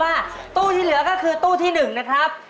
มารุยต่อภาพกับตู้ที่๓นะครับ